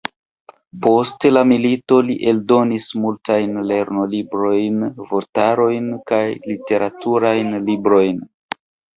Post la milito li eldonis multajn lernolibrojn, vortarojn kaj literaturajn librojn.